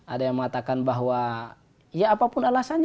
ada yang mengatakan bahwa ya apapun alasannya waria itu tidak sepakat dengan saya